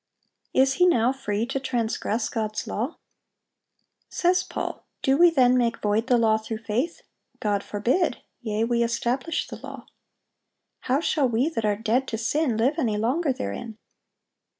Is he now free to transgress God's law? Says Paul: "Do we then make void the law through faith? God forbid: yea, we establish the law." "How shall we, that are dead to sin, live any longer therein?"